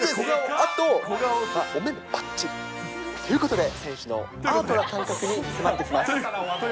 あと、おめめぱっちりということで、選手のアートな感覚に迫ってきます。